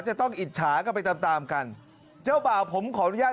จะต้องอิจฉากันไปตามตามกันเจ้าบ่าวผมขออนุญาต